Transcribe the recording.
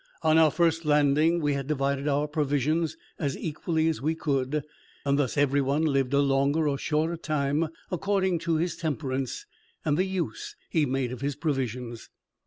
On our first landing we had divided our provisions as equally as we could, and thus every one lived a longer or shorter time, according to his temperance, and the use he made of his provisions.